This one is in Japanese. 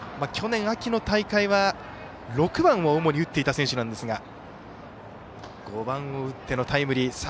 去年秋の大会は６番を主に打っていた選手なんですが５番を打ってのタイムリー。